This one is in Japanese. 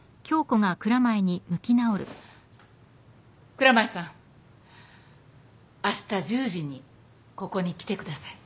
蔵前さんあした１０時にここに来てください。